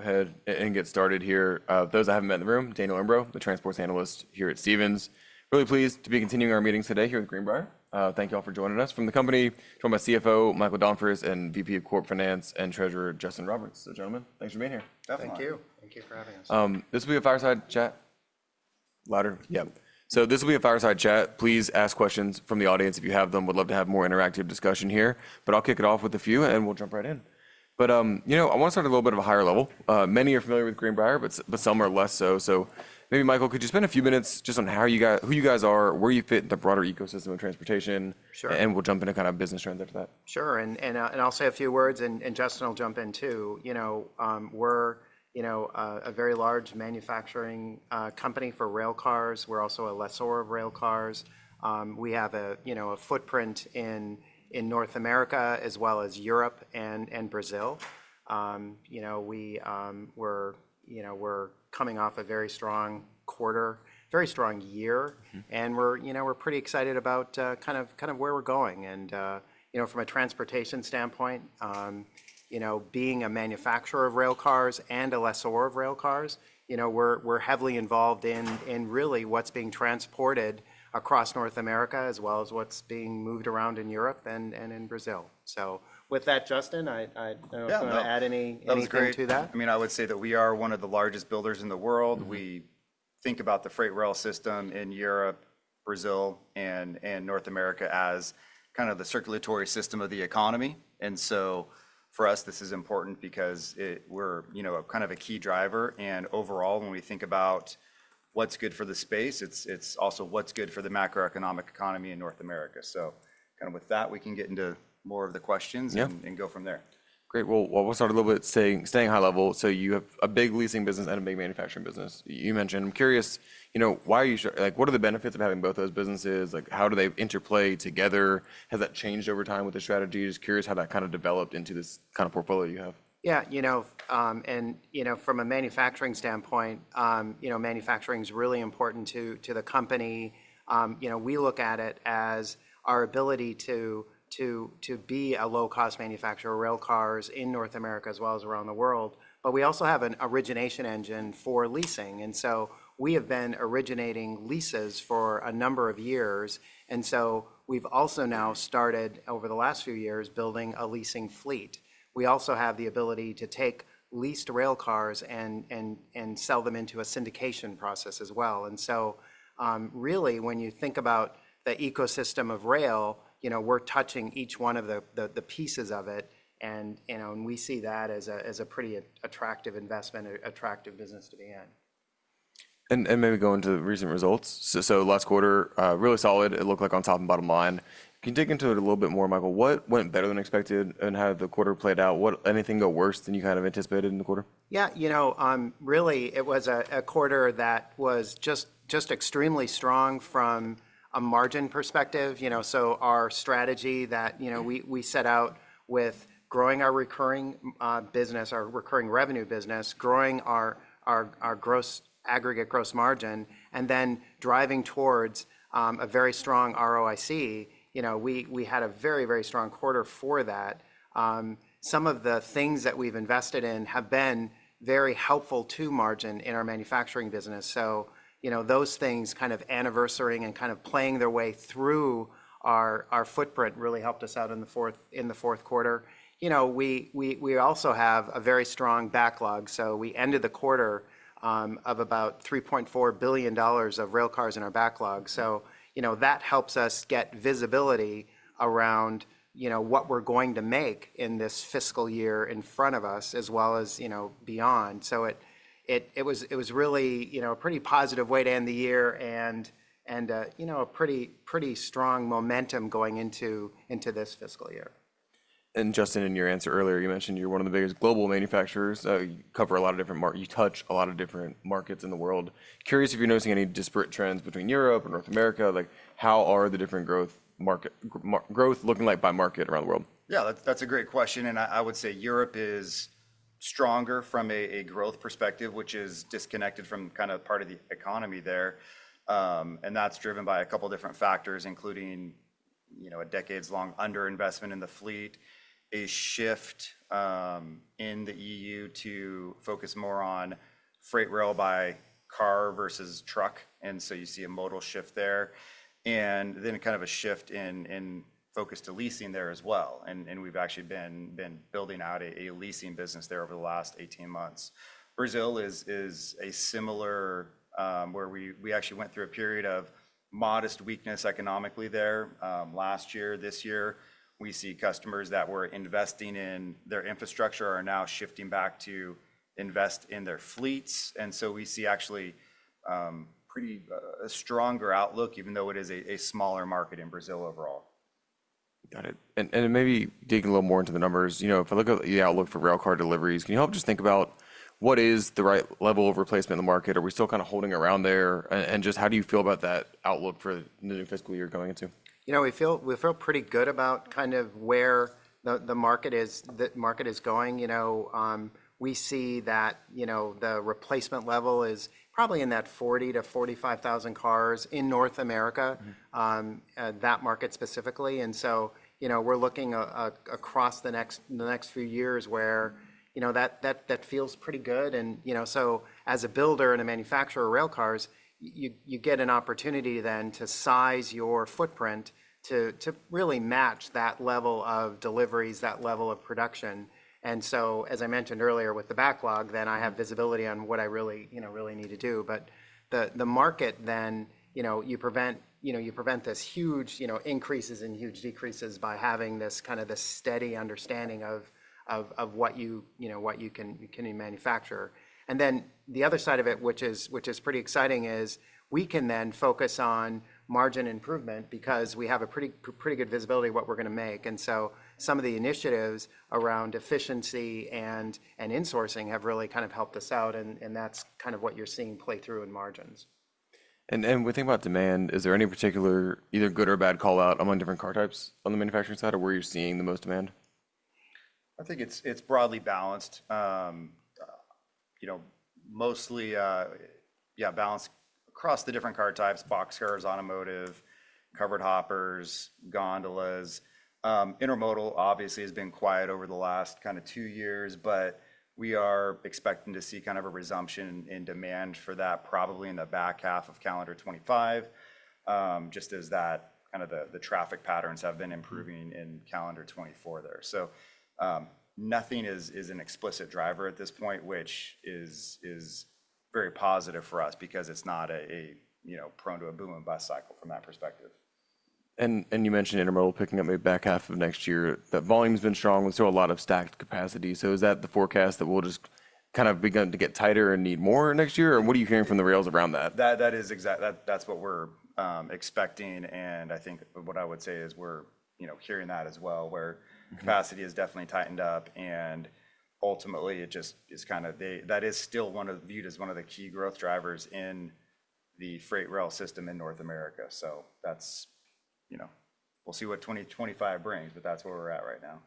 Go ahead and get started here. Those I haven't met in the room, Daniel Imbro, the Transportation Analyst here at Stephens. Really pleased to be continuing our meetings today here at the Greenbrier. Thank you all for joining us. From the company, joined by CFO Michael Donfris and VP of Corp Finance and Treasurer Justin Roberts. So, gentlemen, thanks for being here. Thank you. Thank you for having us. This will be a fireside chat. Louder? Yeah. So this will be a fireside chat. Please ask questions from the audience if you have them. We'd love to have more interactive discussion here, but I'll kick it off with a few and we'll jump right in. But, you know, I want to start at a little bit of a higher level. Many are familiar with Greenbrier, but some are less so. So maybe, Michael, could you spend a few minutes just on how you guys, who you guys are, where you fit in the broader ecosystem of transportation? And we'll jump into kind of business trends after that. Sure. And I'll say a few words and Justin will jump in too. You know, we're, you know, a very large manufacturing company for rail cars. We're also a lessor of rail cars. We have a, you know, a footprint in in North America as well as Europe and Brazil. You know, we we're, we're coming off a very strong quarter, very strong year. And we're, you know, we're pretty excited about kind of where we're going. And, you know, from a transportation standpoint, you know, being a manufacturer of rail cars and a lessor of rail cars, you know, we're heavily involved in in really what's being transported across North America as well as what's being moved around in Europe and in Brazil. So with that, Justin, I don't know if you want to add anything to that. I mean, I would say that we are one of the largest builders in the world. We think about the freight rail system in Europe, Brazil, and North America as kind of the circulatory system of the economy, and so for us, this is important because we're, you know, kind of a key driver, and overall, when we think about what's good for the space, it's also what's good for the macroeconomic economy in North America, so kind of with that, we can get into more of the questions and go from there. Great. Well, we'll start a little bit staying high level. So you have a big leasing business and a big manufacturing business. You mentioned, I'm curious, you know, why are you like, what are the benefits of having both those businesses? Like, how do they interplay together? Has that changed over time with the strategy? Just curious how that kind of developed into this kind of portfolio you have. Yeah, you know, and, you know, from a manufacturing standpoint, you know, manufacturing is really important to the company. You know, we look at it as our ability to to be a low-cost manufacturer of rail cars in North America as well as around the world. But we also have an origination engine for leasing. And so we have been originating leases for a number of years. And so we've also now started over the last few years building a leasing fleet. We also have the ability to take leased rail cars and and and sell them into a syndication process as well. And so really, when you think about the ecosystem of rail, you know, we're touching each one of the pieces of it. And, you know, we see that as a pretty attractive investment, attractive business to be in. And maybe go into recent results. Last quarter, really solid. It looked like on top and bottom line. Can you dig into it a little bit more, Michael? What went better than expected and how the quarter played out? Anything go worse than you kind of anticipated in the quarter? Yeah, you know, really it was a quarter that was just just extremely strong from a margin perspective. You know, so our strategy that, you know, we set out with growing our recurring business, our recurring revenue business, growing our our gross aggregate gross margin, and then driving towards a very strong ROIC. You know, we had a very, very strong quarter for that. Some of the things that we've invested in have been very helpful to margin in our manufacturing business. So, you know, those things kind of anniversarying and kind of playing their way through our footprint really helped us out in the fourth quarter. You know, we we also have a very strong backlog. So we ended the quarter of about $3.4 billion of rail cars in our backlog. So, you know, that helps us get visibility around, you know, what we're going to make in this fiscal year in front of us as well as, you know, beyond. So it it was really, you know, a pretty positive way to end the year and, you know, a pretty, pretty strong momentum going into this fiscal year. Justin, in your answer earlier, you mentioned you're one of the biggest global manufacturers. You cover a lot of different markets. You touch a lot of different markets in the world. Curious if you're noticing any disparate trends between Europe and North America. Like, how are the different market growth looking like by market around the world? Yeah, that's a great question, and I would say Europe is stronger from a growth perspective, which is disconnected from kind of part of the economy there, and that's driven by a couple of different factors, including, you know, a decades-long underinvestment in the fleet, a shift in the EU to focus more on freight railcar versus truck, and so you see a modal shift there, and then kind of a shift in in focus to leasing there as well, and we've actually been, been building out a leasing business there over the last 18 months. Brazil is is a similar where we actually went through a period of modest weakness economically there last year. This year, we see customers that were investing in their infrastructure are now shifting back to invest in their fleets. And so we see actually a pretty stronger outlook, even though it is a smaller market in Brazil overall. Got it. And maybe digging a little more into the numbers, you know, if I look at the outlook for railcar deliveries, can you help just think about what is the right level of replacement in the market? Are we still kind of holding around there? And just how do you feel about that outlook for the new fiscal year going into? You know, we feel pretty good about kind of where the market is, the market is going. You know, we see that, you know, the replacement level is probably in that 40,000-45,000 cars in North America, that market specifically. And so, you know, we're looking across the next few years where, you know, that that feels pretty good. And, you know, so as a builder and a manufacturer of rail cars, you get an opportunity then to size your footprint to really match that level of deliveries, that level of production. And so, as I mentioned earlier with the backlog, then I have visibility on what I really need to do. But the market then, you know, you prevent this huge increases and huge decreases by having this kind of the steady understanding of of what you can manufacture. And then the other side of it, which is pretty exciting, is we can then focus on margin improvement because we have a pretty good visibility of what we're going to make. And so some of the initiatives around efficiency and, and insourcing have really kind of helped us out. And that's kind of what you're seeing play through in margins. And then when we think about demand, is there any particular either good or bad call out among different car types on the manufacturing side or where you're seeing the most demand? I think it's broadly balanced. You know, mostly, yeah, balanced across the different car types: boxcars, automotive, covered hoppers, gondolas. Intermodal obviously has been quiet over the last kind of two years, but we are expecting to see kind of a resumption in demand for that probably in the back half of calendar 2025, just as that kind of the traffic patterns have been improving in calendar 2024 there. So nothing is an explicit driver at this point, which is is very positive for us because it's not a, you know, prone to a boom and bust cycle from that perspective. And you mentioned intermodal picking up maybe back half of next year. That volume has been strong. We saw a lot of stacked capacity. So is that the forecast that we'll just kind of begin to get tighter and need more next year? Or what are you hearing from the rails around that? That is exactly what we're expecting. And I think what I would say is we're hearing that as well, where capacity has definitely tightened up. And ultimately, it just is kind of that is still viewed as one of the key growth drivers in the freight rail system in North America. So that's, you know, we'll see what 2025 brings, but that's where we're at right now.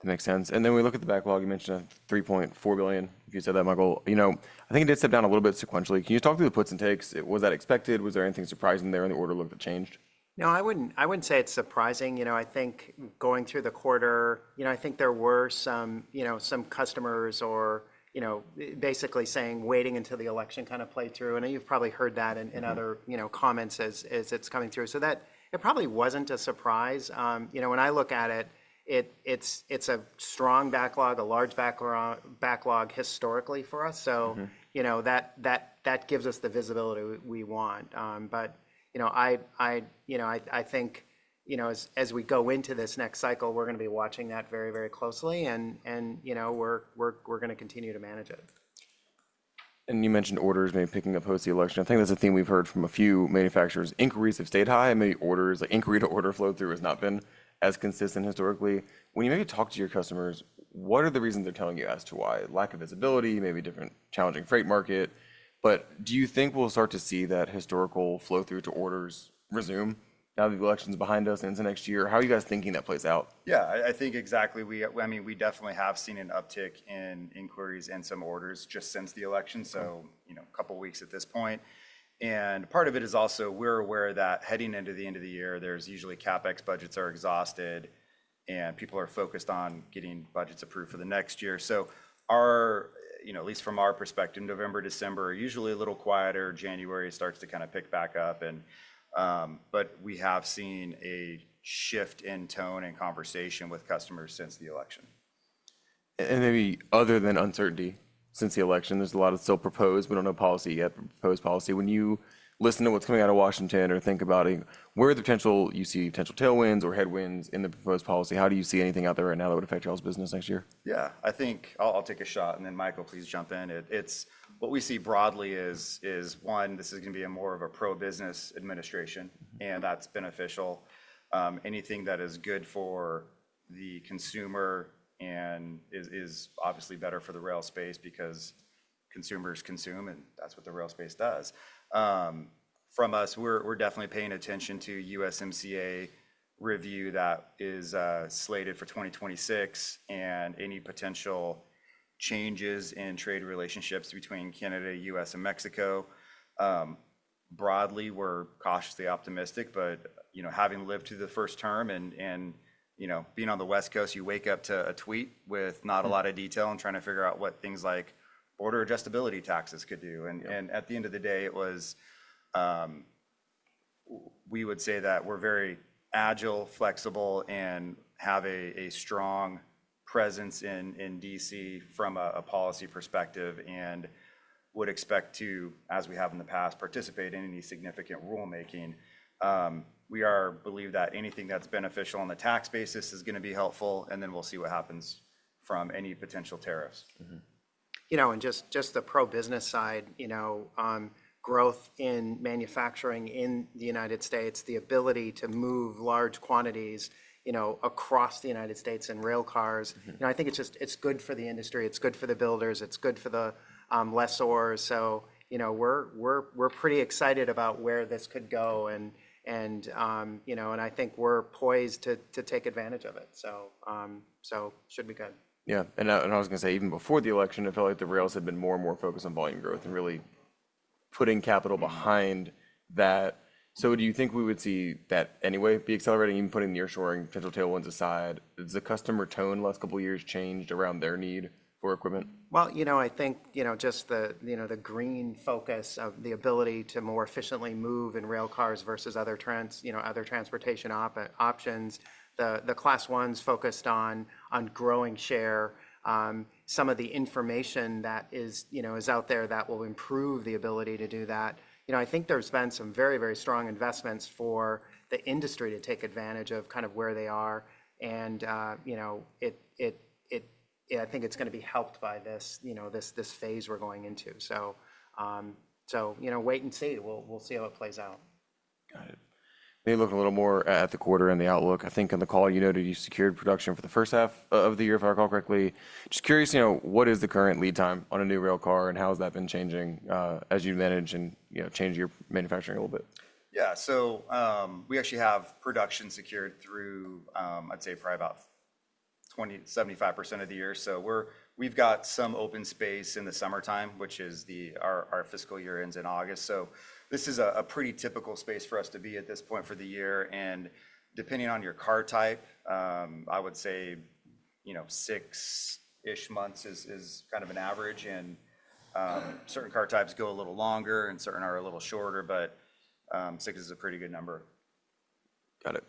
That makes sense. And then we look at the backlog. You mentioned $3.4 billion. If you said that, Michael, you know, I think it did step down a little bit sequentially. Can you talk through the puts and takes? Was that expected? Was there anything surprising there in the order outlook that changed? No, I wouldn't say it's surprising. You know, I think going through the quarter, you know, I think there were some, you know, some customers or, you know, basically saying waiting until the election kind of played through, and you've probably heard that in other comments as it's coming through, so that it probably wasn't a surprise. You know, when I look at it, it's a strong backlog, a large backlog historically for us, so, you know that, that gives us the visibility we want. But, you know, I think, you know, as we go into this next cycle, we're going to be watching that very, very closely, and, you know, we're we're going to continue to manage it. You mentioned orders maybe picking up post the election. I think that's a theme we've heard from a few manufacturers. Inquiries have stayed high. Maybe orders. Inquiry to order flow through has not been as consistent historically. When you maybe talk to your customers, what are the reasons they're telling you as to why? Lack of visibility, maybe different challenging freight market. But do you think we'll start to see that historical flow through to orders resume? Now the election's behind us and it's the next year. How are you guys thinking that plays out? Yeah, I think exactly. I mean, we definitely have seen an uptick in inquiries and some orders just since the election. So, you know, a couple of weeks at this point. And part of it is also we're aware that heading into the end of the year, there's usually CapEx budgets are exhausted and people are focused on getting budgets approved for the next year. So our, you know, at least from our perspective, November, December are usually a little quieter. January starts to kind of pick back up. But we have seen a shift in tone and conversation with customers since the election. Maybe other than uncertainty since the election, there's a lot of still proposed. We don't know policy yet, proposed policy. When you listen to what's coming out of Washington or think about where you see potential tailwinds or headwinds in the proposed policy, how do you see anything out there right now that would affect rail's business next year? Yeah, I think I'll take a shot. And then, Michael, please jump in. What we see broadly is, one, this is going to be more of a pro-business administration. And that's beneficial. Anything that is good for the consumer and is obviously better for the rail space because consumers consume and that's what the rail space does. From us, we're definitely paying attention to USMCA review that is slated for 2026 and any potential changes in trade relationships between Canada, U.S., and Mexico. Broadly, we're cautiously optimistic. But, you know, having lived through the first term and, you know, being on the West Coast, you wake up to a tweet with not a lot of detail and trying to figure out what things like border adjustability taxes could do. And at the end of the day, it was we would say that we're very agile, flexible, and have a strong presence in in D.C. from a policy perspective and would expect to, as we have in the past, participate in any significant rulemaking. We believe that anything that's beneficial on the tax basis is going to be helpful. Then we'll see what happens from any potential tariffs. You know, and just the pro-business side, you know, growth in manufacturing in the United States, the ability to move large quantities, you know, across the United States in rail cars. You know, I think it's just, it's good for the industry. It's good for the builders. It's good for the lessors, so you know, we're we're pretty excited about where this could go, and you know, and I think we're poised to take advantage of it, so it should be good. Yeah, and I was going to say even before the election, it felt like the rails had been more and more focused on volume growth and really putting capital behind that, so do you think we would see that anyway be accelerating, even putting nearshoring, potential tailwinds aside? Has the customer tone the last couple of years changed around their need for equipment? Well you know, I think, you know, just the, you know, the green focus of the ability to more efficiently move in rail cars versus other trends, you know, other transportation options. The Class I's focused on growing share, some of the information that is, you know, is out there that will improve the ability to do that. You know, I think there's been some very, very strong investments for the industry to take advantage of kind of where they are. And you know, it it it, I think it's going to be helped by this, you know, this phase we're going into. You know, wait and see. We'll see how it plays out. Got it. Maybe look a little more at the quarter and the outlook. I think in the call, you noted you secured production for the first half of the year, if I recall correctly. Just curious, you know, what is the current lead time on a new railcar and how has that been changing as you manage and, you know, change your manufacturing a little bit? Yeah. So we actually have production secured through, I'd say, probably about 75% of the year. So we've got some open space in the summertime, which is, our fiscal year ends in August. So this is a pretty typical space for us to be at this point for the year. And depending on your car type, I would say, you know, six-ish months is kind of an average. And certain car types go a little longer and certain are a little shorter, but six is a pretty good number. Got it.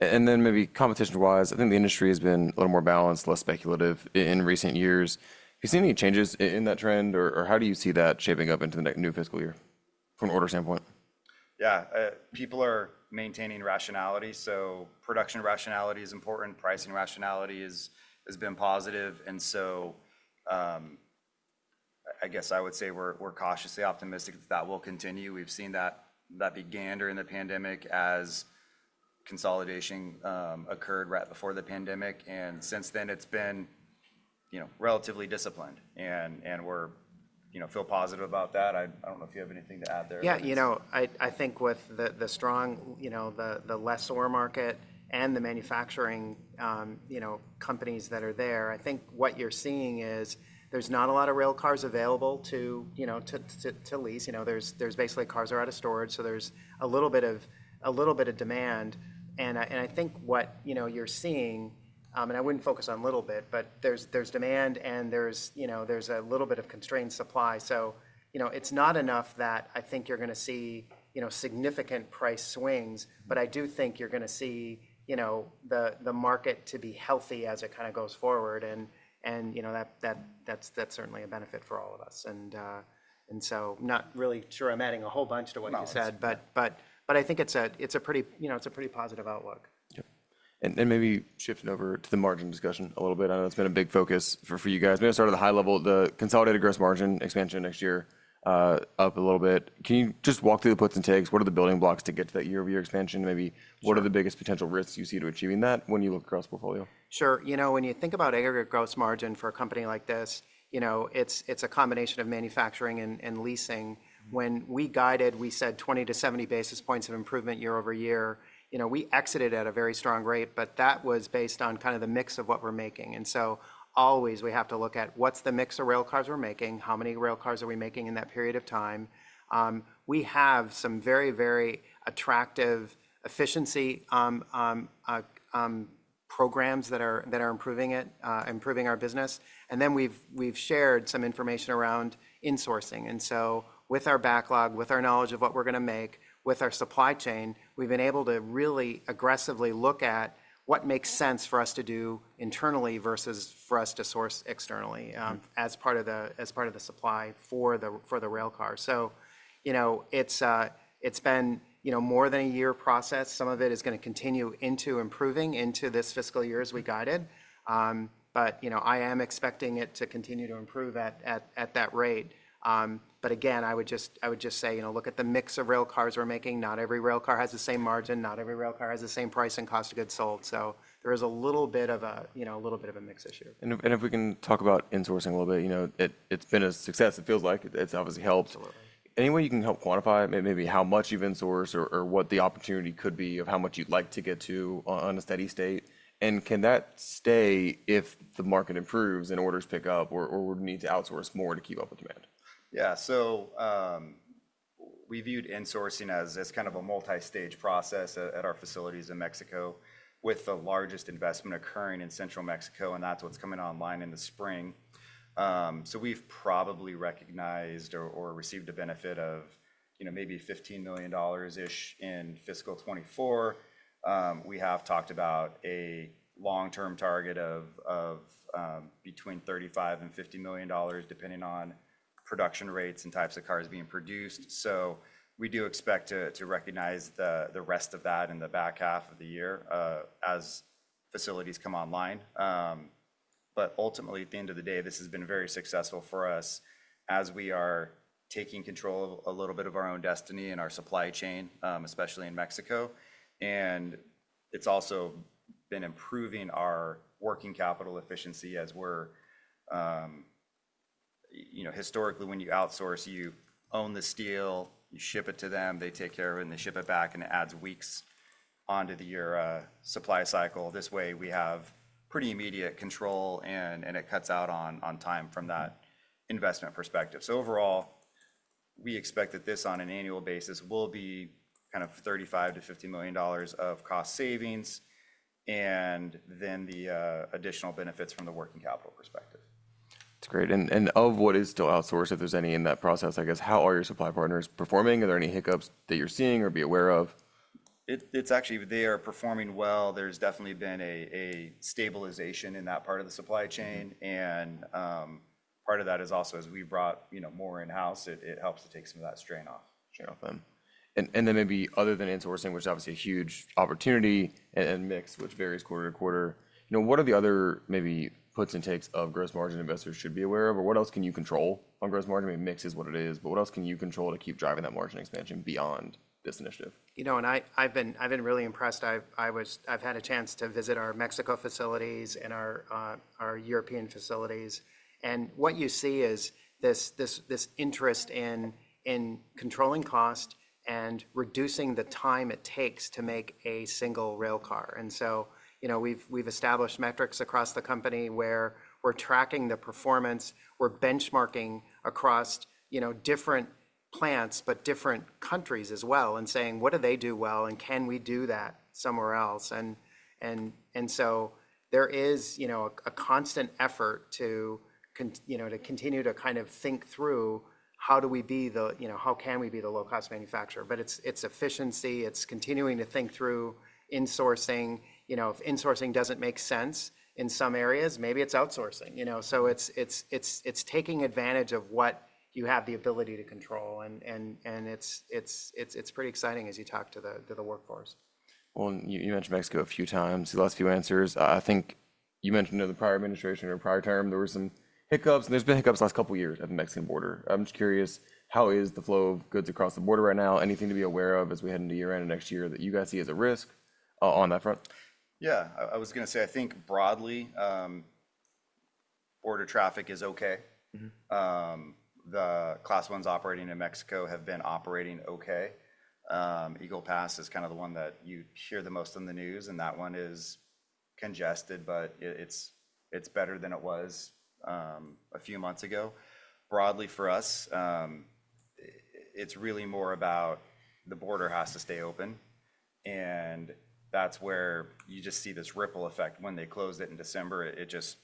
And then maybe competition-wise, I think the industry has been a little more balanced, less speculative in recent years. Have you seen any changes in that trend or how do you see that shaping up into the new fiscal year from an order standpoint? Yeah, people are maintaining rationality. So production rationality is important. Pricing rationality has been positive. And so I guess I would say we're cautiously optimistic that that will continue. We've seen that begin during the pandemic as consolidation occurred right before the pandemic. And since then, it's been, you know, relatively disciplined. And we're, you know, feel positive about that. I don't know if you have anything to add there. Yeah, you know, I think with the strong, you know, the lessor market and the manufacturing, you know, companies that are there, I think what you're seeing is there's not a lot of rail cars available to, you know, to lease. You know, there's basically cars are out of storage. So there's a little bit, a little bit of demand. And I think what, you know, you're seeing, and I wouldn't focus on a little bit, but there's there's demand and there's, you know, there's a little bit of constrained supply. So, you know, it's not enough that I think you're going to see, you know, significant price swings, but I do think you're going to see, you know, the market to be healthy as it kind of goes forward. And, you know, that's certainly a benefit for all of us. And so I'm not really sure I'm adding a whole bunch to what you said, but I think it's a pretty, you know, it's a pretty positive outlook. Yeah, and maybe shifting over to the margin discussion a little bit. I know it's been a big focus for you guys. We're going to start at the high level, the consolidated gross margin expansion next year up a little bit. Can you just walk through the puts and takes? What are the building blocks to get to that year-over-year expansion? Maybe what are the biggest potential risks you see to achieving that when you look across the portfolio? Sure. You know, when you think about aggregate gross margin for a company like this, you know, it's a combination of manufacturing and leasing. When we guided, we said 20 to 70 basis points of improvement year over year. You know, we exited at a very strong rate, but that was based on kind of the mix of what we're making. And so always we have to look at what's the mix of rail cars we're making, how many rail cars are we making in that period of time. We have some very, very attractive efficiency programs that are improving, improving our business. And then we've, we've shared some information around insourcing. And so with our backlog, with our knowledge of what we're going to make, with our supply chain, we've been able to really aggressively look at what makes sense for us to do internally versus for us to source externally as part of the supply for the rail car. So, you know, it's it's been, you know, more than a year process. Some of it is going to continue into improving into this fiscal year as we guided. But, you know, I am expecting it to continue to improve at at that rate. But again, I would just say, you know, look at the mix of rail cars we're making. Not every rail car has the same margin. Not every rail car has the same price and cost of goods sold. So there is a little bit of a, you know, a little bit of a mix issue. If we can talk about insourcing a little bit, you know, it's been a success. It feels like it's obviously helped. Any way you can help quantify maybe how much you've insourced or what the opportunity could be of how much you'd like to get to on a steady state? Can that stay if the market improves and orders pick up or we need to outsource more to keep up with demand? Yeah. So we viewed insourcing as kind of a multi-stage process at our facilities in Mexico with the largest investment occurring in Central Mexico. That's what's coming online in the spring. So we've probably recognized or received a benefit of, you know, maybe $15 million-ish in fiscal 2024. We have talked about a long-term target of of between $35 and $50 million depending on production rates and types of cars being produced. So we do expect to recognize the rest of that in the back half of the year as facilities come online. Ultimately, at the end of the day, this has been very successful for us as we are taking control of a little bit of our own destiny and our supply chain, especially in Mexico. And it's also been improving our working capital efficiency as we're, you know, historically when you outsource, you own the steel, you ship it to them, they take care of it and they ship it back and it adds weeks onto the year supply cycle. This way we have pretty immediate control and it cuts out on time from that investment perspective. So overall, we expect that this on an annual basis will be kind of $35 million-$50 million of cost savings and then the additional benefits from the working capital perspective. That's great, and of what is still outsourced, if there's any in that process, I guess, how are your supply partners performing? Are there any hiccups that you're seeing or are aware of? It's actually, they are performing well. There's definitely been a a stabilization in that part of the supply chain, and part of that is also as we brought, you know, more in-house, it helps to take some of that strain off. Straight off then. And then maybe other than insourcing, which is obviously a huge opportunity and mix which varies quarter to quarter, you know, what are the other maybe puts and takes of gross margin investors should be aware of? Or what else can you control on gross margin? Maybe mix is what it is, but what else can you control to keep driving that margin expansion beyond this initiative? You know, and I've been really impressed. I've had a chance to visit our Mexico facilities and our our European facilities. And what you see is this this this interest in controlling cost and reducing the time it takes to make a single rail car. And so, you know, we've established metrics across the company where we're tracking the performance. We're benchmarking across, you know, different plants, but different countries as well and saying, what do they do well and can we do that somewhere else? And and so there is, you know, a constant effort to, you know, continue to kind of think through how do we be the, you know, how can we be the low-cost manufacturer? But it's efficiency. It's continuing to think through insourcing. You know, if insourcing doesn't make sense in some areas, maybe it's outsourcing, you know. So it's it's it's taking advantage of what you have the ability to control. And it's it's pretty exciting as you talk to the workforce. You mentioned Mexico a few times, the last few answers. I think you mentioned in the prior administration or prior term, there were some hiccups. There's been hiccups the last couple of years at the Mexican border. I'm just curious, how is the flow of goods across the border right now? Anything to be aware of as we head into year-end and next year that you guys see as a risk on that front? Yeah, I was going to say, I think broadly, border traffic is okay. The Class I operating in Mexico have been operating okay. Eagle Pass is kind of the one that you hear the most in the news. That one is congested, but it's better than it was a few months ago. Broadly for us, it's really more about the border has to stay open. And that's where you just see this ripple effect when they closed it in December. It just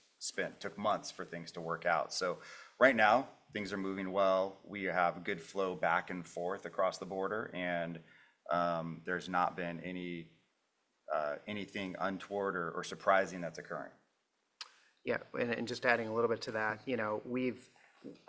took months for things to work out. So right now, things are moving well. We have good flow back and forth across the border. And there's not been anything untoward or surprising that's occurring. Yeah. And just adding a little bit to that, you know, we've,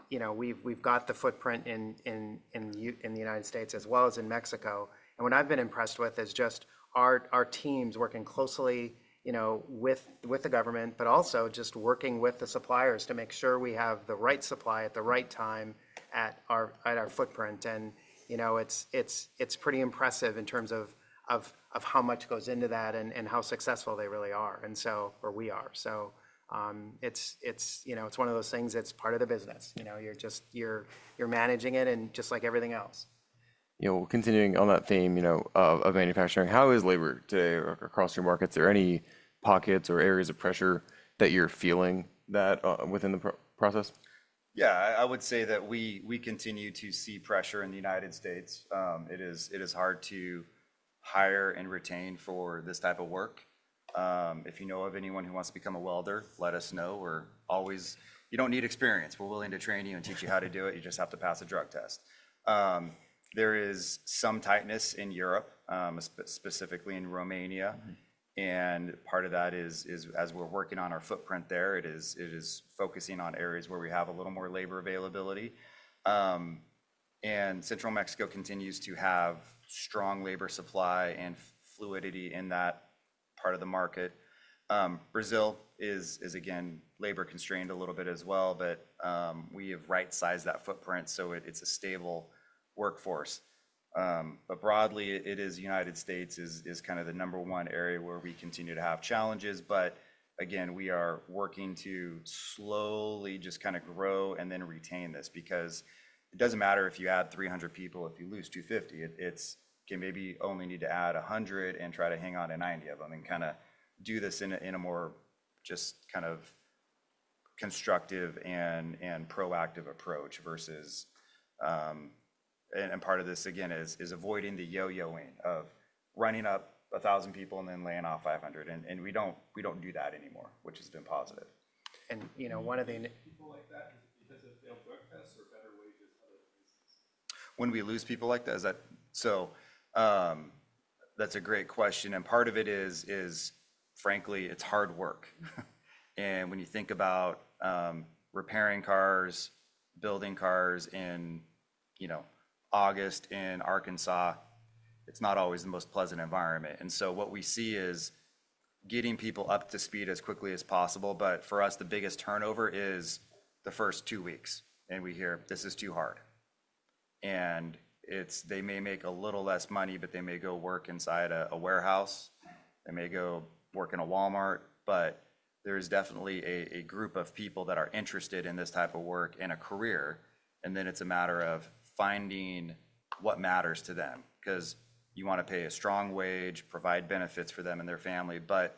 you know, we've got the footprint in in in the United States as well as in Mexico. And what I've been impressed with is just our teams working closely, you know, with with the government, but also just working with the suppliers to make sure we have the right supply at the right time at at our footprint. And, you know, it's it's pretty impressive in terms of how much goes into that and how successful they really are. And so, or we are. So it's it's, you know, it's one of those things that's part of the business. You know, you're just, you're managing it and just like everything else. You know, continuing on that theme, you know, of manufacturing, how is labor today across your markets? Are there any pockets or areas of pressure that you're feeling that within the process? Yeah, I would say that we we continue to see pressure in the United States. It is hard to hire and retain for this type of work. If you know of anyone who wants to become a welder, let us know. We're always, you don't need experience. We're willing to train you and teach you how to do it. You just have to pass a drug test. There is some tightness in Europe, specifically in Romania. And part of that is, as we're working on our footprint there, it is focusing on areas where we have a little more labor availability. And Central Mexico continues to have strong labor supply and fluidity in that part of the market. Brazil is, again, labor constrained a little bit as well, but we have right-sized that footprint. So it's a stable workforce. Broadly, it is the United States, kind of the number one area where we continue to have challenges. But again, we are working to slowly just kind of grow and then retain this because it doesn't matter if you add 300 people, if you lose 250, it's maybe only need to add 100 and try to hang on to 90 of them and kind of do this in a more just kind of constructive and proactive approach versus, and part of this again is avoiding the yo-yoing of running up 1,000 people and then laying off 500. We don't do that anymore, which has been positive. You know, one of the. Do you lose people like that because of failed work tests or better wages out of the business? When we lose people like that, so that's a great question. And part of it is, frankly, it's hard work. And when you think about repairing cars, building cars in, you know, August in Arkansas, it's not always the most pleasant environment. And so what we see is getting people up to speed as quickly as possible. But for us, the biggest turnover is the first two weeks. And we hear this is too hard. And they may make a little less money, but they may go work inside a warehouse. They may go work in a Walmart. But there is definitely a group of people that are interested in this type of work and a career. And then it's a matter of finding what matters to them because you want to pay a strong wage, provide benefits for them and their family. But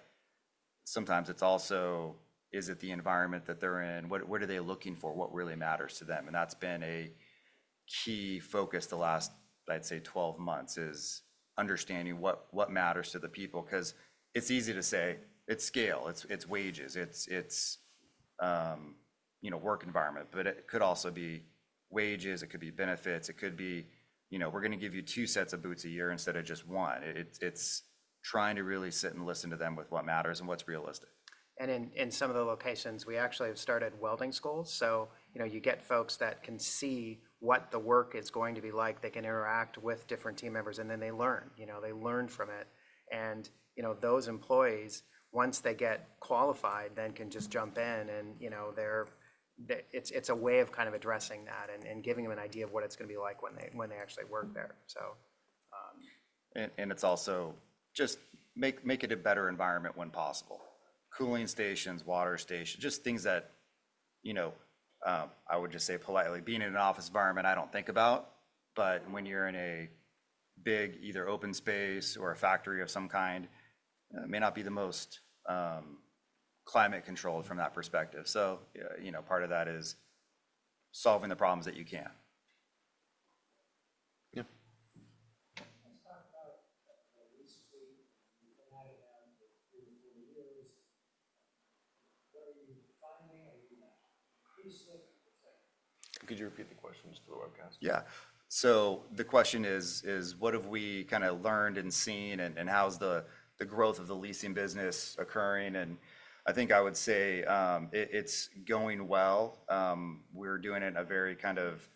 sometimes it's also, is it the environment that they're in? What are they looking for? What really matters to them, and that's been a key focus the last, I'd say, 12 months is understanding what matters to the people. Because it's easy to say it's scale, it's wages, it's it's, you know, work environment, but it could also be wages, it could be benefits, it could be, you know, we're going to give you two sets of boots a year instead of just one. It's trying to really sit and listen to them with what matters and what's realistic. And in some of the locations, we actually have started welding schools. So, you know, you get folks that can see what the work is going to be like. They can interact with different team members and then they learn, you know, they learn from it. And, you know, those employees, once they get qualified, then can just jump in and, you know, it's a way of kind of addressing that and giving them an idea of what it's going to be like when they actually work there. So. And it's also just make it a better environment when possible. Cooling stations, water stations, just things that, you know, I would just say politely, being in an office environment, I don't think about. But when you're in a big either open space or a factory of some kind, it may not be the most climate controlled from that perspective. So, you know, part of that is solving the problems that you can. Yeah. Let's talk about the lease fleet and adding on for three to four years. What are you finding? Are you leasing? Could you repeat the question just for the webcast? Yeah. So the question is, what have we kind of learned and seen and how's the growth of the leasing business occurring? And I think I would say it's going well. We're doing it in a very kind of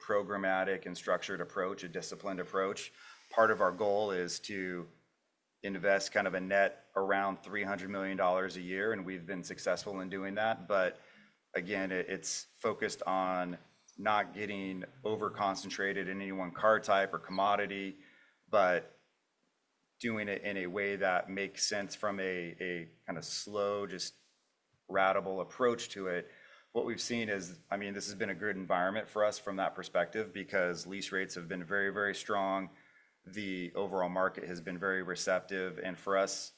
programmatic and structured approach, a disciplined approach. Part of our goal is to invest kind of a net around $300 million a year. And we've been successful in doing that. But again, it's focused on not getting over-concentrated in any one car type or commodity, but doing it in a way that makes sense from a a kind of slow, just ratable approach to it. What we've seen is, I mean, this has been a good environment for us from that perspective because lease rates have been very, very strong. The overall market has been very receptive. And for us,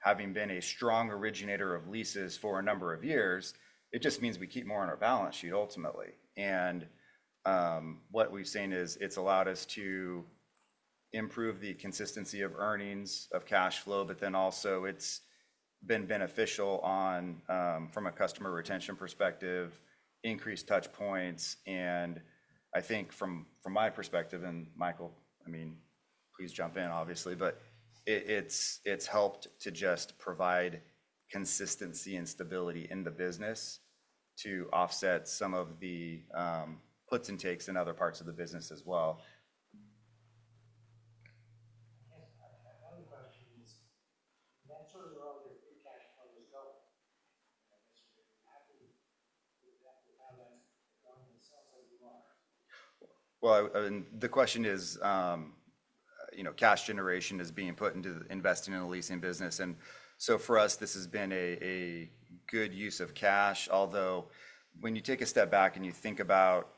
having been a strong originator of leases for a number of years, it just means we keep more on our balance sheet ultimately. And what we've seen is it's allowed us to improve the consistency of earnings and cash flow, but then also it's been beneficial on from a customer retention perspective: increased touch points. And I think from my perspective, and Michael, I mean, please jump in obviously, but it's it's helped to just provide consistency and stability in the business to offset some of the puts and takes in other parts of the business as well. I guess my final question is, monitoring all your free cash flow is helpful. I guess you're very happy with that. It sounds like you are. Well, the question is, you know, cash generation is being put into investing in the leasing business. And so for us, this has been a good use of cash, although when you take a step back and you think about,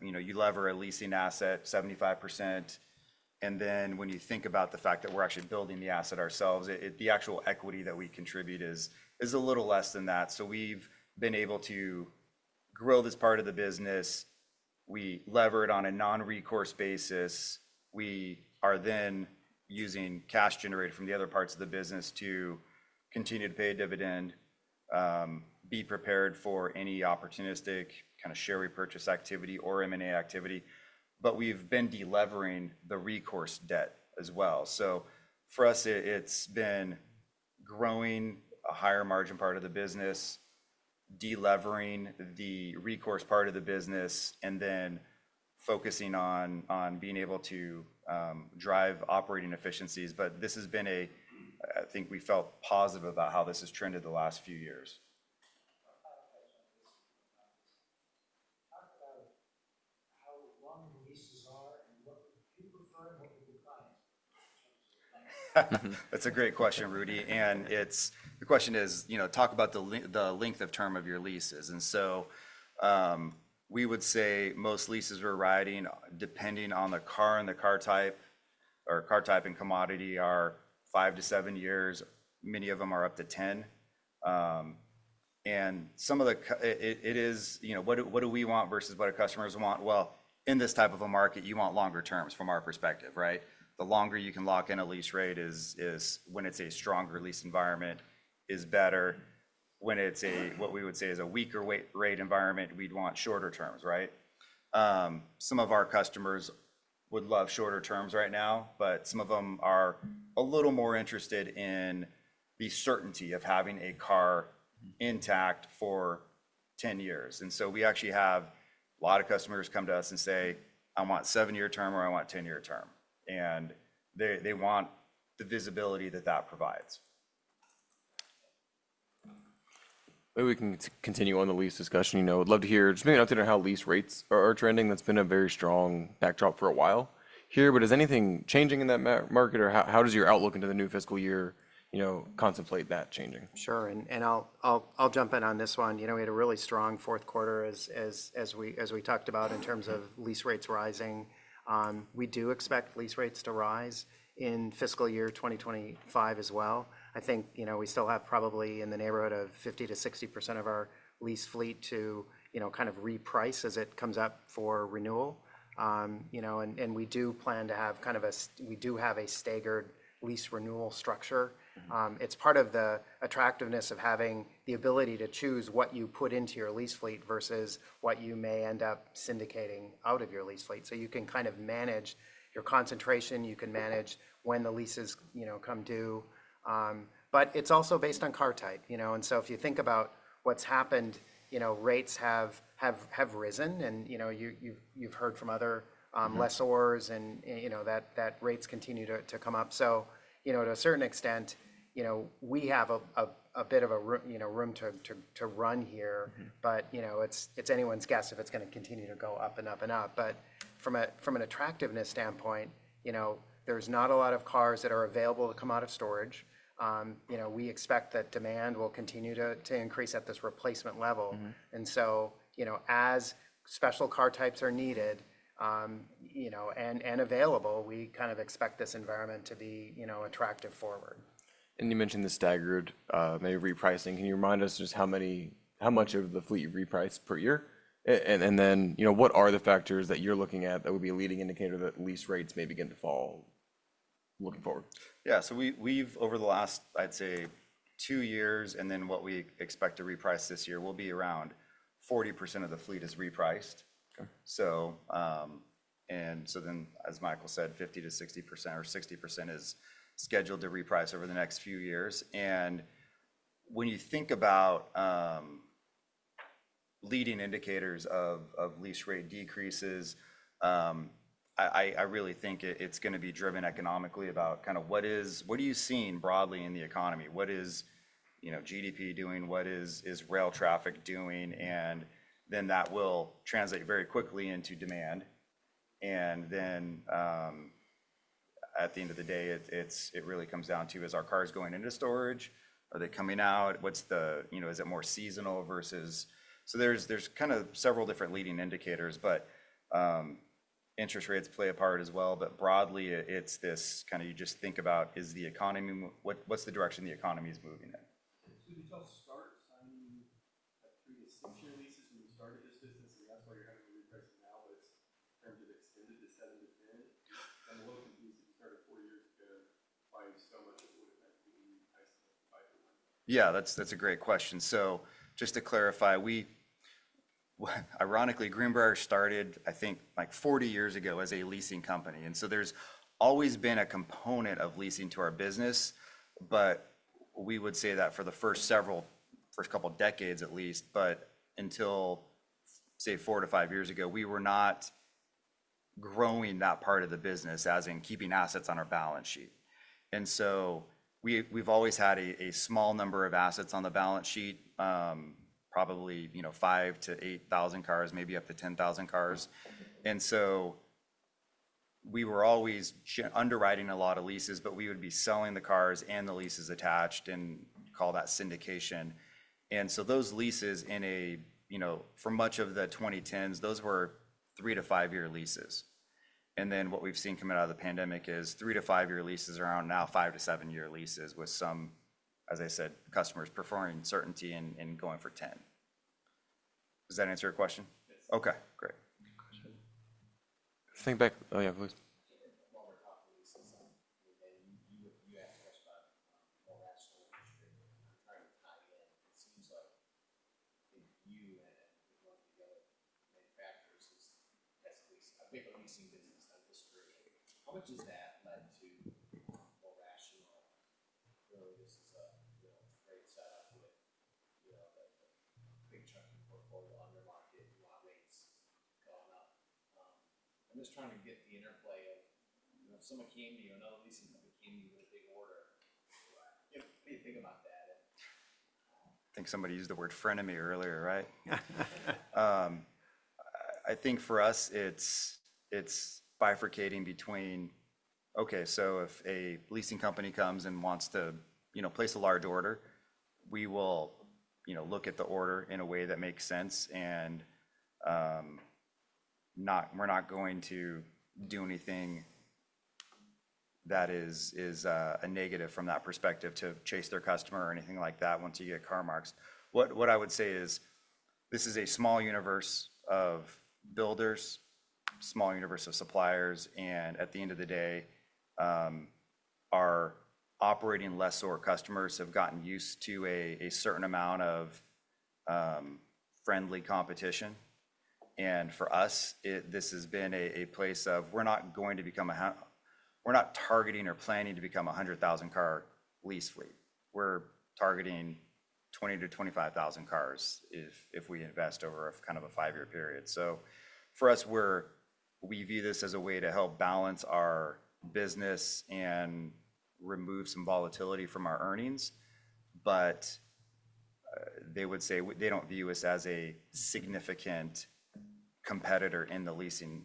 you know, you leverage a leasing asset 75%, and then when you think about the fact that we're actually building the asset ourselves, the actual equity that we contribute is a little less than that. So we've been able to grow this part of the business. We leverage it on a non-recourse basis. We are then using cash generated from the other parts of the business to continue to pay a dividend, be prepared for any opportunistic kind of share repurchase activity or M&A activity. But we've been delevering the recourse debt as well. So for us, it's been growing a higher margin part of the business, delevering the recourse part of the business, and then focusing on being able to drive operating efficiencies. But this has been a, I think we felt positive about how this has trended the last few years. I have a question on this. How long do the leases are, and what would you prefer, and what would you be buying? That's a great question, Rudy. And the question is, you know, talk about the length of term of your leases. And so we would say most leases we're writing, depending on the car and the car type or car type and commodity, are five to seven years. Many of them are up to 10. And some of the, it is, you know, what do we want versus what our customers want? Well, in this type of a market, you want longer terms from our perspective, right? The longer you can lock in a lease rate is when it's a stronger lease environment is better. When it's a, what we would say is a weaker rate environment, we'd want shorter terms, right? Some of our customers would love shorter terms right now, but some of them are a little more interested in the certainty of having a car intact for 10 years. And so we actually have a lot of customers come to us and say, "I want seven-year term or I want a 10-year term." And they want the visibility that that provides. Maybe we can continue on the lease discussion. You know, I'd love to hear, just maybe an update on how lease rates are trending. That's been a very strong backdrop for a while here. But is anything changing in that market or how does your outlook into the new fiscal year, you know, contemplate that changing? Sure, and I'll jump in on this one. You know, we had a really strong fourth quarter as we talked about in terms of lease rates rising. We do expect lease rates to rise in fiscal year 2025 as well. I think, you know, we still have probably in the neighborhood of 50%-60% of our lease fleet to, you know, kind of reprice as it comes up for renewal. You know, and we do plan to have kind of a, we do have a staggered lease renewal structure. It's part of the attractiveness of having the ability to choose what you put into your lease fleet versus what you may end up syndicating out of your lease fleet. So you can kind of manage your concentration. You can manage when the leases, you know, come due, but it's also based on car type, you know. If you think about what's happened, you know, rates have risen. You've heard from other lessors and, you know, that rates continue to come up. To a certain extent, you know, we have a bit of a room to run here. It's anyone's guess if it's going to continue to go up and up and up. From an attractiveness standpoint, you know, there's not a lot of cars that are available to come out of storage. We expect that demand will continue to increase at this replacement level. As special car types are needed, you know, and available, we kind of expect this environment to be, you know, attractive forward. You mentioned the staggered maybe repricing. Can you remind us just how many, how much of the fleet you reprice per year? Then, you know, what are the factors that you're looking at that would be a leading indicator that lease rates may begin to fall looking forward? Yeah. So we've, over the last, I'd say, two years, and then what we expect to reprice this year will be around 40% of the fleet is repriced. So, and so then, as Michael said, 50%-60% or 60% is scheduled to reprice over the next few years. And when you think about leading indicators of lease rate decreases, I really think it's going to be driven economically about kind of what is, what are you seeing broadly in the economy? What is, you know, GDP doing? What is rail traffic doing? And then that will translate very quickly into demand. And then at the end of the day, it really comes down to, is our cars going into storage? Are they coming out? What's the, you know, is it more seasonal versus, so there's kind of several different leading indicators, but interest rates play a part as well. But broadly, it's this kind of, you just think about, is the economy, what's the direction the economy is moving in? Can you tell, I mean, previously short leases when you started this business and that's why you're having to reprice now, but is it in terms of extending to 7-10? I'm a little confused that you started four years ago buying so much that it would have meant to be repricing it too high for one year. Yeah, that's a great question. So just to clarify, we, ironically, Greenbrier started, I think, like 40 years ago as a leasing company. And so there's always been a component of leasing to our business, but we would say that for the first several, first couple of decades at least, but until, say, 4-5 years ago, we were not growing that part of the business as in keeping assets on our balance sheet. And so we've always had a small number of assets on the balance sheet, probably, you know, 5,000-8,000 cars, maybe up to 10,000 cars. And so we were always underwriting a lot of leases, but we would be selling the cars and the leases attached and call that syndication. And so those leases in a, you know, for much of the 2010s, those were 3-5-year leases. Then what we've seen come out of the pandemic is three- to five-year leases are around now five- to seven-year leases with some, as I said, customers preferring certainty and going for 10. Does that answer your question? Yes. Okay. Great. Question. Think back, oh yeah, please. You asked a question about more rational industry. I'm trying to tie in. It seems like you and one of the other manufacturers is, I think, a leasing business in industry. How much has that led to more rational? Really, this is a great setup with, you know, a big chunk of your portfolio under-market and locked rates going up. I'm just trying to get the interplay of, you know, if someone came to you, another leasing company came to you with a big order, what do you think about that? I think somebody used the word frenemy earlier, right? I think for us, it's bifurcating between, okay, so if a leasing company comes and wants to, you know, place a large order, we will, you know, look at the order in a way that makes sense and we're not going to do anything that is a negative from that perspective to chase their customer or anything like that once you get car marks. What I would say is this is a small universe of builders, small universe of suppliers, and at the end of the day, our operating lessor customers have gotten used to a certain amount of friendly competition, and for us, this has been a place of we're not going to become a, we're not targeting or planning to become a 100,000 car lease fleet. We're targeting 20,000-25,000 cars if we invest over a kind of a five-year period. So for us, we view this as a way to help balance our business and remove some volatility from our earnings. But they would say they don't view us as a significant competitor in the leasing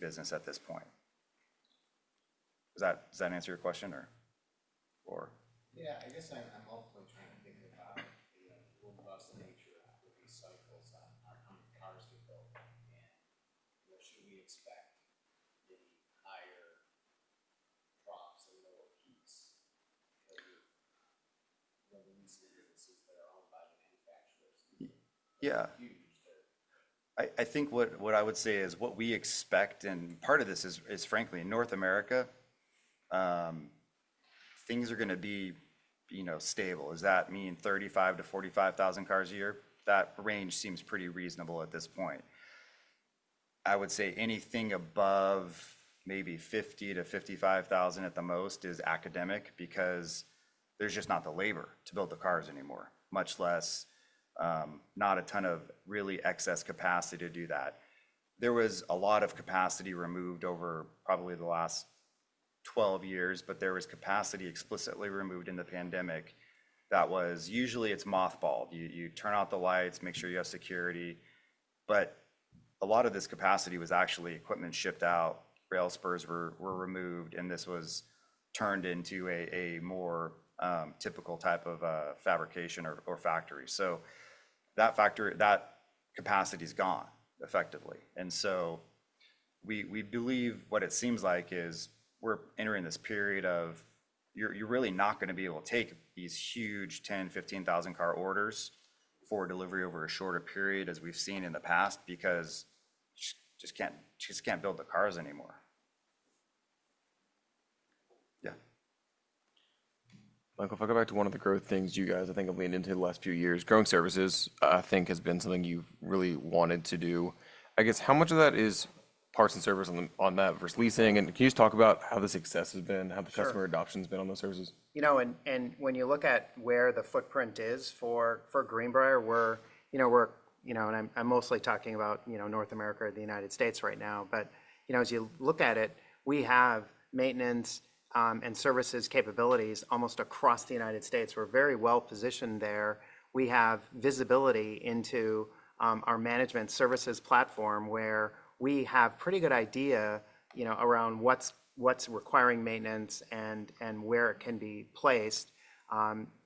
business at this point. Does that answer your question or? Yeah, I guess I'm also trying to think about the robust nature of the cycles that are coming cars to build and where should we expect the higher troughs and lower peaks because the leasing businesses that are owned by the manufacturers are huge too. I think what I would say is what we expect, and part of this is frankly in North America, things are going to be, you know, stable. Does that mean 35-45,000 cars a year? That range seems pretty reasonable at this point. I would say anything above maybe 50-55,000 at the most is academic because there's just not the labor to build the cars anymore, much less not a ton of really excess capacity to do that. There was a lot of capacity removed over probably the last 12 years, but there was capacity explicitly removed in the pandemic that was usually it's mothballed. You turn out the lights, make sure you have security. But a lot of this capacity was actually equipment shipped out, rail spurs were removed, and this was turned into a more typical type of fabrication or factory. So that factory, that capacity is gone effectively. And so we believe what it seems like is we're entering this period where you're really not going to be able to take these huge 10,000-15,000 car orders for delivery over a shorter period, as we've seen in the past, because you just can't build the cars anymore. Yeah. Michael, if I go back to one of the growth things you guys, I think, have leaned into the last few years, growing services, I think, has been something you've really wanted to do. I guess how much of that is parts and service on that versus leasing? And can you just talk about how the success has been, how the customer adoption has been on those services? You know, and when you look at where the footprint is for Greenbrier, we're, you know, and I'm mostly talking about, you know, North America or the United States right now. But, you know, as you look at it, we have maintenance and services capabilities almost across the United States. We're very well positioned there. We have visibility into our management services platform where we have a pretty good idea, you know, around what's requiring maintenance and where it can be placed.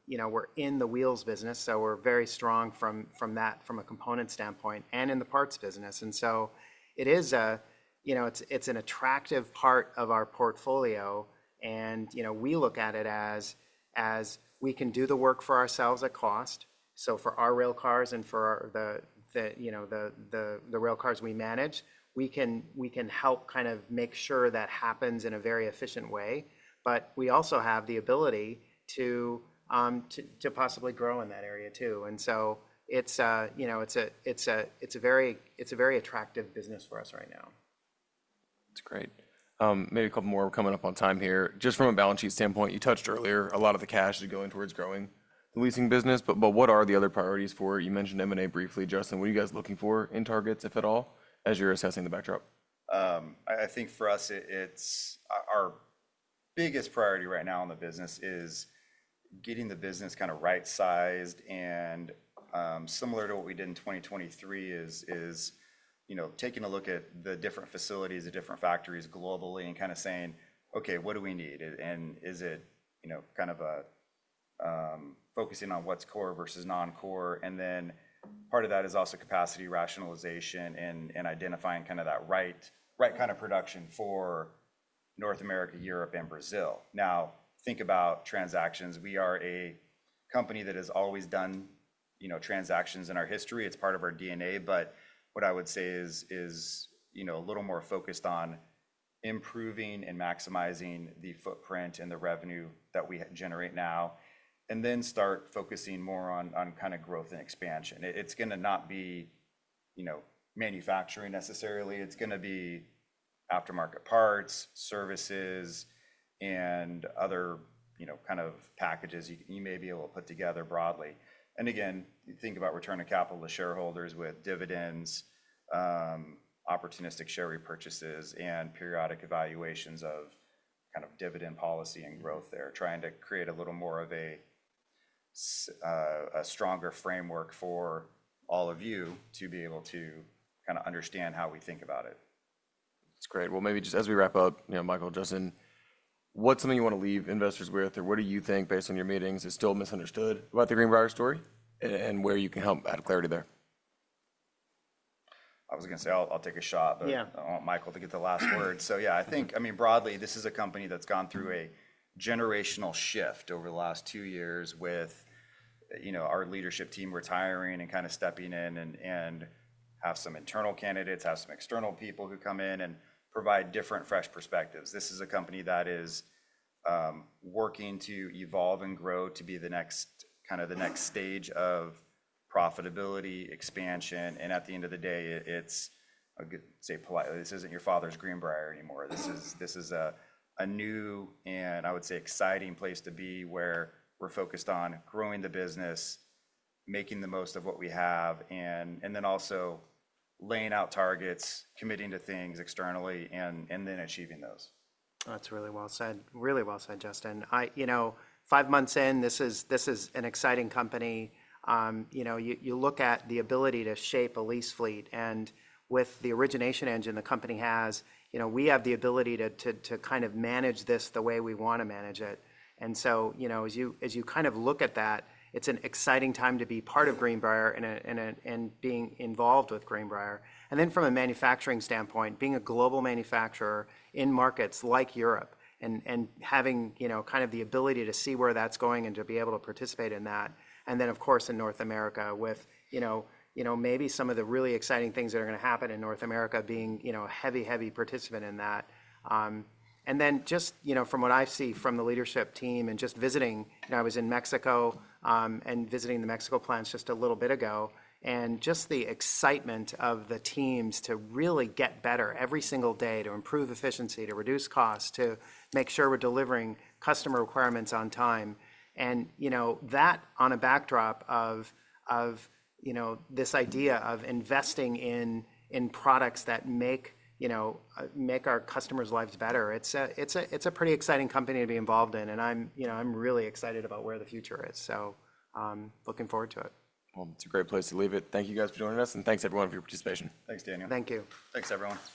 You know, we're in the wheels business, so we're very strong from that, from a component standpoint and in the parts business. And so it is a, you know, it's an attractive part of our portfolio. And, you know, we look at it as we can do the work for ourselves at cost. So for our rail cars and for the, you know, the rail cars we manage, we can help kind of make sure that happens in a very efficient way. But we also have the ability to possibly grow in that area too. And so it's, you know, it's a very attractive business for us right now. That's great. Maybe a couple more coming up on time here. Just from a balance sheet standpoint, you touched earlier a lot of the cash is going towards growing the leasing business, but what are the other priorities for it? You mentioned M&A briefly, Justin. What are you guys looking for in targets, if at all, as you're assessing the backdrop? I think for us, our biggest priority right now in the business is getting the business kind of right-sized and similar to what we did in 2023 is, you know, taking a look at the different facilities, the different factories globally and kind of saying, okay, what do we need? And is it, you know, kind of focusing on what's core versus non-core? And then part of that is also capacity rationalization and identifying kind of that right kind of production for North America, Europe, and Brazil. Now, think about transactions. We are a company that has always done, you know, transactions in our history. It's part of our DNA. But what I would say is, you know, a little more focused on improving and maximizing the footprint and the revenue that we generate now and then start focusing more on kind of growth and expansion. It's going to not be, you know, manufacturing necessarily. It's going to be aftermarket parts, services, and other, you know, kind of packages you may be able to put together broadly. And again, you think about return of capital to shareholders with dividends, opportunistic share repurchases, and periodic evaluations of kind of dividend policy and growth there, trying to create a little more of a stronger framework for all of you to be able to kind of understand how we think about it. That's great. Well, maybe just as we wrap up, you know, Michael, Justin, what's something you want to leave investors with or what do you think based on your meetings is still misunderstood about the Greenbrier story and where you can help add clarity there? I was going to say I'll take a shot, but I want Michael to get the last word. So yeah, I think, I mean, broadly, this is a company that's gone through a generational shift over the last two years with, you know, our leadership team retiring and kind of stepping in and have some internal candidates, have some external people who come in and provide different fresh perspectives. This is a company that is working to evolve and grow to be the next kind of the next stage of profitability expansion, and at the end of the day, it's, I'll say politely, this isn't your father's Greenbrier anymore. This is a new and I would say exciting place to be where we're focused on growing the business, making the most of what we have, and then also laying out targets, committing to things externally, and then achieving those. That's really well said, really well said, Justin. You know, five months in, this is an exciting company. You know, you look at the ability to shape a lease fleet. And with the origination engine the company has, you know, we have the ability to kind of manage this the way we want to manage it. And so, you know, as you kind of look at that, it's an exciting time to be part of Greenbrier and being involved with Greenbrier. And then from a manufacturing standpoint, being a global manufacturer in markets like Europe and having, you know, kind of the ability to see where that's going and to be able to participate in that. And then, of course, in North America with, you know, maybe some of the really exciting things that are going to happen in North America being, you know, a heavy, heavy participant in that. Then just, you know, from what I see from the leadership team and just visiting, you know, I was in Mexico and visiting the Mexico plants just a little bit ago and just the excitement of the teams to really get better every single day to improve efficiency, to reduce costs, to make sure we're delivering customer requirements on time. You know, that on a backdrop of, you know, this idea of investing in products that make, you know, make our customers' lives better. It's a pretty exciting company to be involved in. I'm, you know, I'm really excited about where the future is. Looking forward to it. It's a great place to leave it. Thank you guys for joining us. Thanks everyone for your participation. Thanks, Daniel. Thank you. Thanks, everyone.